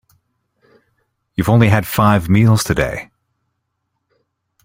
You've only had five meals today.